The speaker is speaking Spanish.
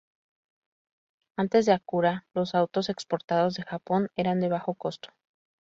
Antes de Acura, los autos exportados de Japón eran de bajo costo.